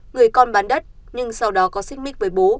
người con bán đất nhưng sau đó có xích mích với bố